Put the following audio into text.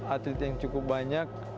atlet yang cukup banyak